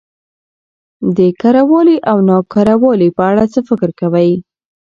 د کره والي او نا کره والي په اړه څه فکر کوؽ